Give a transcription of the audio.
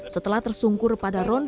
setelah tersungkur pada ronde ke tujuh